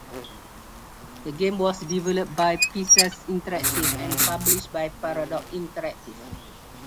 The game was developed by Pieces Interactive and published by Paradox Interactive.